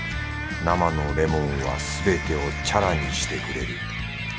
生のレモンはすべてをチャラにしてくれる。